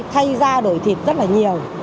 thay ra đổi thịt rất là nhiều